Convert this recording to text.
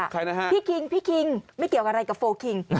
ใครนะฮะพี่คิงไม่เกี่ยวกับอะไรกับโฟล์คิง